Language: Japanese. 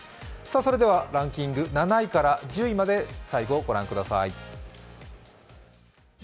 それではランキング、７位から１０位まで最後御覧ください。